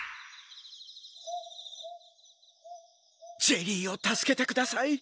ジェリーをたすけてください。